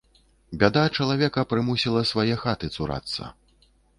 Бяда чалавека прымусіла свае хаты цурацца.